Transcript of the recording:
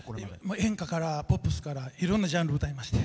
演歌からポップスからいろんな曲歌いまして。